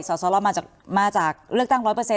สสรมาจากเลือกตั้ง๑๐๐